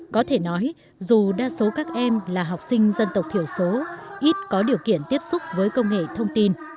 có thể nói dù đa số các em là học sinh dân tộc thiểu số ít có điều kiện tiếp xúc với công nghệ thông tin